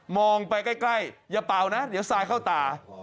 องไปใกล้อย่าเป่านะเดี๋ยวทรายเข้าตา